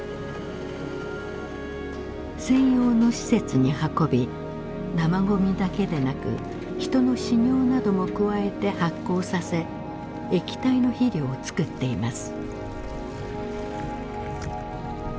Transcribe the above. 専用の施設に運び生ゴミだけでなく人の屎尿なども加えて発酵させ液体の肥料を作っています。